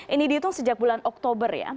ini dihitung sejak bulan oktober ya